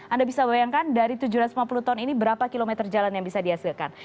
anda bisa bayangkan dari tujuh ratus lima puluh ton ini berapa kilometer jalan yang bisa dihasilkan